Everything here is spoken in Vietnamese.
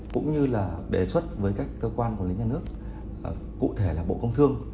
cũng như là đề xuất với các cơ quan quản lý nhà nước cụ thể là bộ công thương